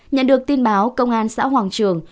nhận được tin báo công an xã hoàng trường